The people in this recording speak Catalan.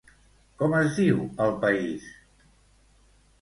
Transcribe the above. Com es diu el país?